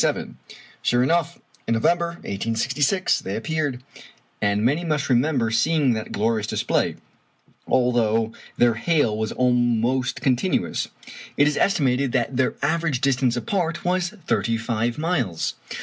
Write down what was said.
Sure enough, in November, 1866, they appeared; and many must remember seeing that glorious display. Although their hail was almost continuous, it is estimated that their average distance apart was thirty five miles!